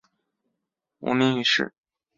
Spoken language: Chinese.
因典型的拜占庭风格而闻名于世。